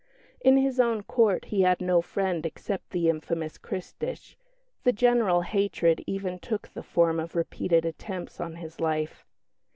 In his own Court he had no friend except the infamous Christitch; the general hatred even took the form of repeated attempts on his life.